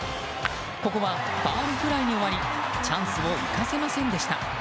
ここはファウルフライに終わりチャンスを生かせませんでした。